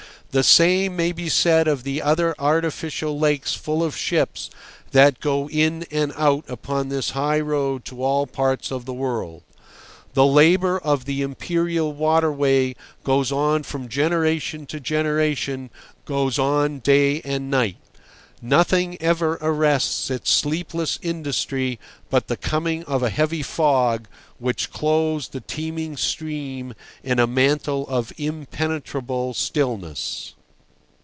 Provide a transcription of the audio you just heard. The same may be said of the other artificial lakes full of ships that go in and out upon this high road to all parts of the world. The labour of the imperial waterway goes on from generation to generation, goes on day and night. Nothing ever arrests its sleepless industry but the coming of a heavy fog, which clothes the teeming stream in a mantle of impenetrable stillness.